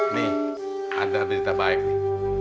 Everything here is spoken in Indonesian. nih ada berita baik nih